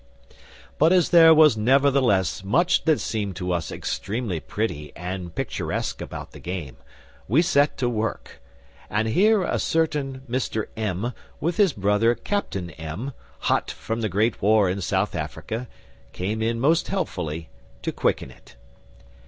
But as there was nevertheless much that seemed to us extremely pretty and picturesque about the game, we set to work and here a certain Mr M. with his brother, Captain M., hot from the Great War in South Africa, came in most helpfully to quicken it.